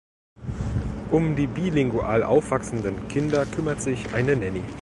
Um die bilingual aufwachsenden Kinder kümmert sich eine Nanny.